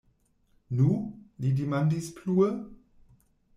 Nu? li demandis plue.